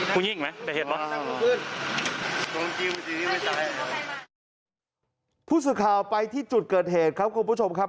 ผู้สื่อข่าวไปที่จุดเกิดเหตุครับคุณผู้ชมครับ